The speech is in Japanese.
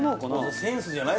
センスじゃない？